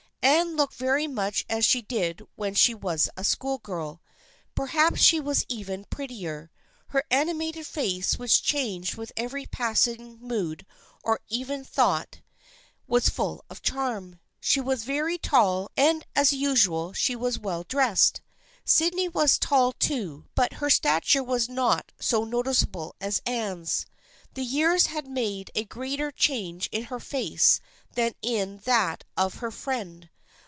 Anne looked very much as she did when she was a schoolgirl. Perhaps she was even prettier. Her animated face which changed with every pass ing mood or even thought, was full of charm. She was very tall and as usual she was well dressed. Sydney was tall too but her stature was not so noticeable as Anne's. The years had made a greater change in her face than in that of her friend.